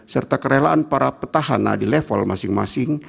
serta kerelaan para petahana di level masing masing